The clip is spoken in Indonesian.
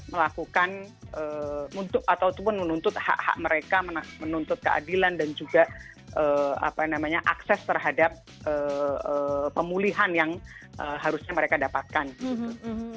melakukan ataupun menuntut hak hak mereka menuntut keadilan dan juga akses terhadap pemulihan yang harusnya mereka dapatkan gitu